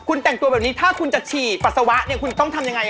คุณแต่งตัวแบบนี้นะครับเพื่อฉี่ปัสสาวะคุณต้องทำยังไง